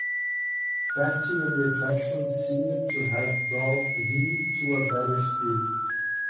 Fasting and reflection seemed to have brought him to a better spirit.